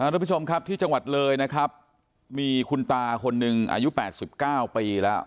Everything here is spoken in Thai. ทุกผู้ชมครับที่จังหวัดเลยนะครับมีคุณตาคนหนึ่งอายุ๘๙ปีแล้ว